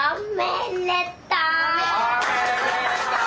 ・おめれとう！